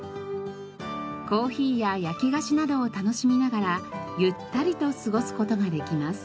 コーヒーや焼き菓子などを楽しみながらゆったりと過ごす事ができます。